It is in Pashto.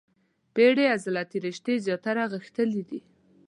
پېړې عضلاتي رشتې زیاتره غښتلي دي.